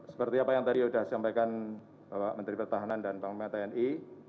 seperti apa yang tadi sudah disampaikan bapak menteri pertahanan dan panglima tni